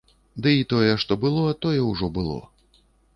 Ды і тое, што было, тое ўжо было.